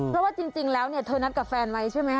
เพราะว่าจริงแล้วเนี่ยเธอนัดกับแฟนไว้ใช่ไหมค